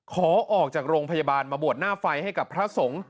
ขอออกจากโรงพยาบาลมาบวชหน้าไฟให้กับพระสงฆ์